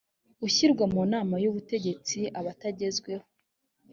ushyirwa mu nama y ubutegetsi aba atezweho